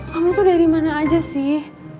kamu tuh dari mana aja sih